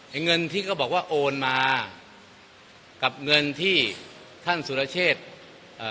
เงินที่เขาบอกว่าโอนมากับเงินที่ท่านสุรเชษเอ่อ